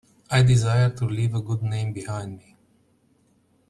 I desire to leave a good name behind me.